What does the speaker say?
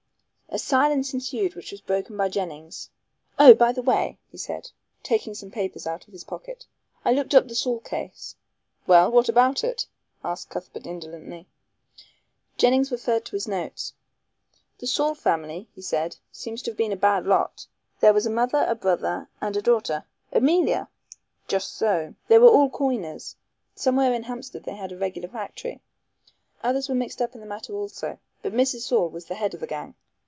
A silence ensued which was broken by Jennings. "Oh, by the way," he said, taking some papers out of his pocket, "I looked up the Saul case." "Well, what about it?" asked Cuthbert indolently Jennings referred to his notes. "The Saul family" he said, "seem to have been a bad lot. There was a mother, a brother and a daughter " "Emilia!" "Just so. They were all coiners. Somewhere in Hampstead they had a regular factory. Others were mixed up in the matter also, but Mrs. Saul was the head of the gang.